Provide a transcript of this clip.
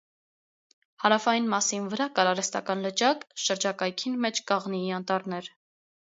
Հարաւային մասին վրայ կայ արհեստական լճակ, շրջակայքին մէջ՝ կաղնիի անտառներ։